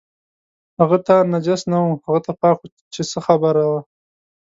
هغه ته نجس نه و، هغه ته پاک و چې څه خبره وه.